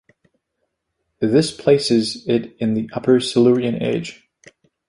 This places it in the upper Silurian age.